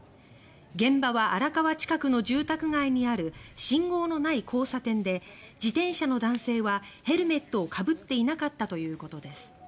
現場は荒川近くの住宅街にある信号のない交差点で自転車の男性はヘルメットをかぶっていなかったということです。